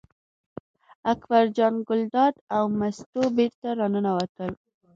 اکبر جان ګلداد او مستو بېرته راننوتل.